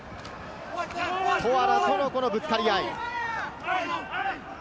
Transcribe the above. トアラとのぶつかり合い。